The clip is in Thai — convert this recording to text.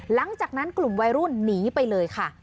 หลังจากนั้นกลุ่มวัยรุ่นหนีไปเลยค่ะ